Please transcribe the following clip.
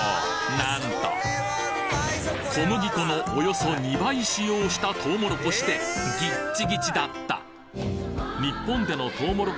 なんと小麦粉のおよそ２倍使用したとうもろこしでギッチギチだった！